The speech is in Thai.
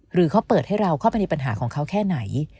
หรือเขาเปิดให้เราเข้าไปในปัญหาของเขาแค่ไหน